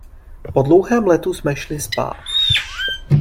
Po dlouhém letu jsme šli spát.